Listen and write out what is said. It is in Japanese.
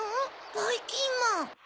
ばいきんまん。